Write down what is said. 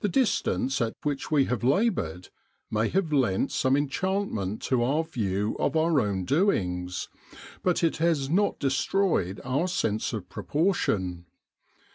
The distance at which we have laboured may have lent some enchantment to our view of our own doings ; but it has not destroyed our sense of proportion.